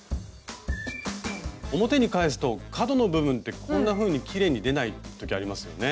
表に返すと角の部分ってこんなふうにきれいに出ない時ありますよね。